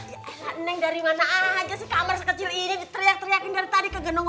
yaelah neng dari mana aja sih kamar sekecil ini teriak teriakin dari tadi ke genong ngonong